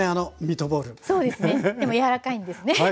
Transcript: でも柔らかいんですね。